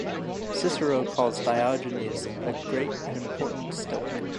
Cicero calls Diogenes "a great and important Stoic".